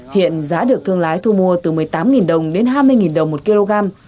hiện giá được thương lái thu mua từ một mươi tám đồng đến hai mươi đồng một kg